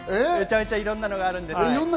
めちゃめちゃいろんなのがあるんです。